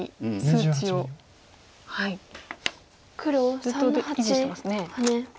ずっと維持してますね。